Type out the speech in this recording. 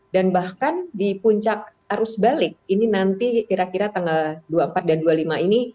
dan bahkan di puncak arus balik ini nanti kira kira tanggal dua puluh empat dan dua puluh lima ini